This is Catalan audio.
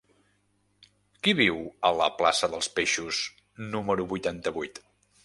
Qui viu a la plaça dels Peixos número vuitanta-vuit?